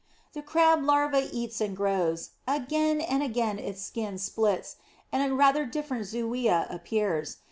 The Crab larva eats and grows. Again and again its skin splits, and a rather different zoea appears.